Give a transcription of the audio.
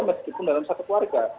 meskipun dalam satu keluarga